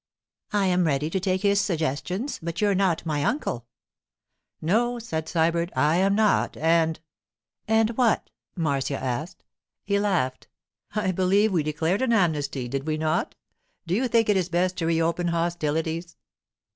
'I am ready to take his suggestions, but you're not my uncle.' 'No,' said Sybert, 'I am not; and——' 'And what?' Marcia asked. He laughed. 'I believe we declared an amnesty, did we not? Do you think it is best to reopen hostilities?